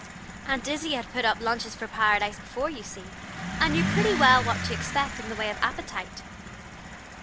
Aunt Izzie had put up lunches for Paradise before, you see, and knew pretty well what to expect in the way of appetite.